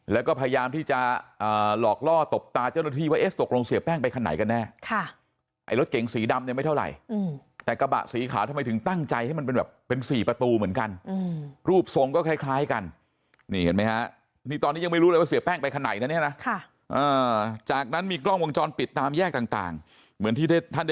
แล้วก็พยายามที่จะหลอกล่อตบตาเจ้าหน้าที่ว่าเอ๊ะตกลงเสียแป้งไปคันไหนกันแน่ไอ้รถเก๋งสีดำเนี่ยไม่เท่าไหร่แต่กระบะสีขาวทำไมถึงตั้งใจให้มันเป็นแบบเป็นสี่ประตูเหมือนกันรูปทรงก็คล้ายกันนี่เห็นไหมฮะนี่ตอนนี้ยังไม่รู้เลยว่าเสียแป้งไปคันไหนนะเนี่ยนะจากนั้นมีกล้องวงจรปิดตามแยกต่างเหมือนที่ได้ท่าน